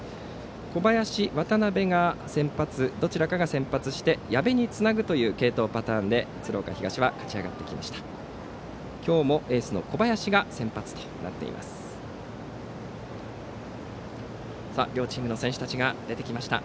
小林、渡辺のどちらかが先発して矢部につなぐ継投パターンで鶴岡東は勝ち上がってきました。